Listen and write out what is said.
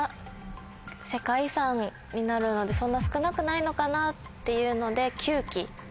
世界遺産になるのでそんな少なくないのかなっていうので。